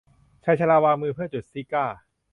ชายชราวางมือเพื่อจุดซิการ์